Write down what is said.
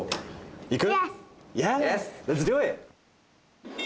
いく？